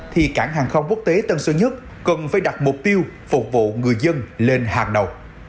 thì cảng hàng không quốc tế tân sơn nhất cần phải đặt mục tiêu phục vụ người dân lên hàng đầu